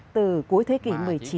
từ cuối thế kỷ một mươi chín